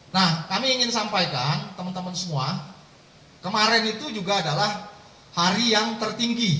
nah kami ingin sampaikan teman teman semua kemarin itu juga adalah hari yang tertinggi